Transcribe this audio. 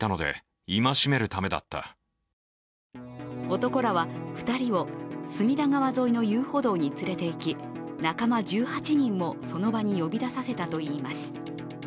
男らは２人を隅田川沿いの遊歩道に連れていき仲間１８人もその場に呼び出させたといいます。